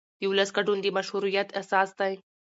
د ولس ګډون د مشروعیت اساس دی